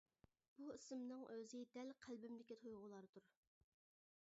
بۇ ئېسىمنىڭ ئۆزى دەل قەلبىمدىكى تۇيغۇلاردۇر.